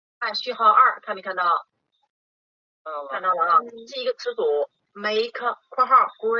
中华桫椤为桫椤科桫椤属下的一个种。